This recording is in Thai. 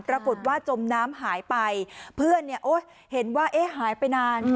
ปรากฏว่าจมน้ำหายไปเพื่อนเห็นว่าหายไปนาน